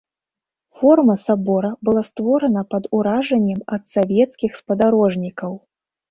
Форма сабора была створана пад уражаннем ад савецкіх спадарожнікаў.